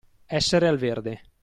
Essere al verde.